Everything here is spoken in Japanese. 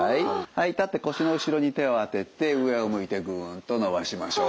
はい立って腰の後ろに手を当てて上を向いてグンと伸ばしましょう。